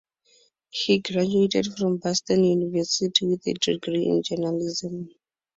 He graduated from Boston University with a degree in journalism.